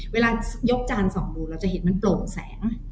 เวลายกจานส่องดูเราจะเห็นมันโปร่งแสง